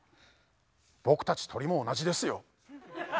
僕たち鳥も同じですよ。